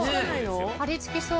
張りつきそう。